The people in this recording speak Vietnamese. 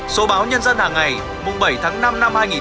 số báo nhân dân hàng ngày mùng bảy tháng năm năm hai nghìn hai mươi bốn